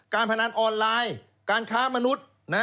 พนันออนไลน์การค้ามนุษย์